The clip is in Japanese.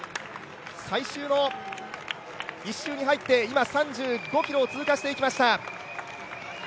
最終の１周に入って、今３５ｋｍを通過していきました。